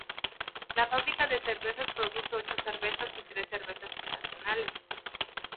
La fábrica de cerveza produce ocho cervezas y tres cervezas estacionales.